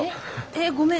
えごめん。